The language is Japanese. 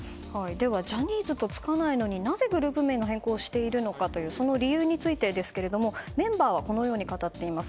ではジャニーズとつかないのになぜグループ名の変更をしているその理由についてですけどもメンバーはこのように語っています。